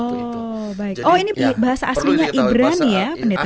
oh ini bahasa aslinya ibrani ya